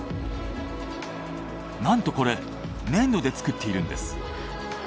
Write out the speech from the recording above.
なんとこれ粘土で造っているんです。